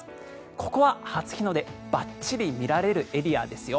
ここは初日の出ばっちり見られるエリアですよ。